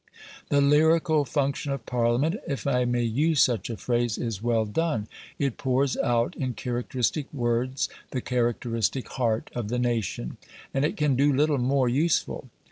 The lyrical function of Parliament, if I may use such a phrase, is well done; it pours out in characteristic words the characteristic heart of the nation. And it can do little more useful.